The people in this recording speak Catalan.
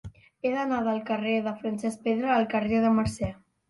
He d'anar del carrer de Francesc Pedra al carrer de la Mercè.